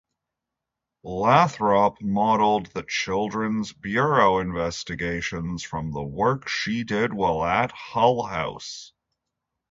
Lathrop modeled the Children's Bureau investigations from the work she did while at Hull-House.